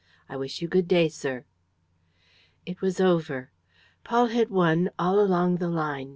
I wish you good day, sir." It was over. Paul had won all along the line.